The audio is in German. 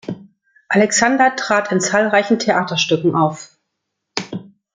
Alexander trat in zahlreichen Theaterstücken auf.